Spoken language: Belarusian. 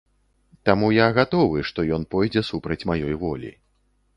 Таму я гатовы, што ён пойдзе супраць маёй волі.